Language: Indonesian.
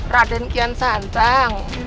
raden kian santang